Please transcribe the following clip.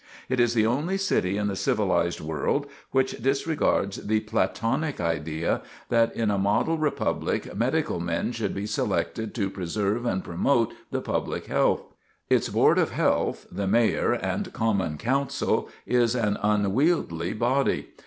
It is the only city in the civilized world which disregards the Platonic idea that in a model republic medical men should be selected to preserve and promote the public health. Its board of health, the mayor and common council, is an unwieldly body.